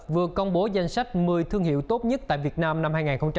vừa công bố danh sách một mươi thương hiệu tốt nhất tại việt nam năm hai nghìn hai mươi